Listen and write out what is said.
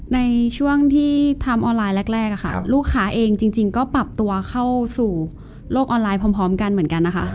ในช่วงที่ทำออนไลน์แรกค่ะลูกค้าเองจริงก็ปรับตัวเข้าสู่โลกออนไลน์พร้อมกันเหมือนกันนะคะ